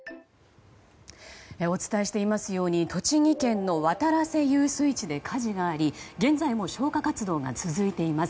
お伝えしていますように栃木県の渡良瀬遊水地で火事があり現在も消火活動が続いています。